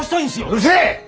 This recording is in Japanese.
うるせえ！